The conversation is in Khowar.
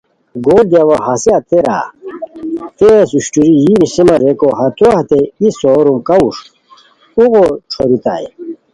گول گیاوا ہسے ہتیرا تیز اوشٹوریئے یی نیسیمان ریکو ہتو ہتے ای سوروم کاوݰ اوغو ݯھوریتائے